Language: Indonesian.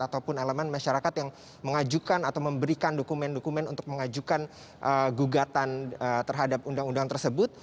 ataupun elemen masyarakat yang mengajukan atau memberikan dokumen dokumen untuk mengajukan gugatan terhadap undang undang tersebut